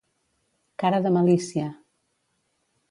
Cara de malícia.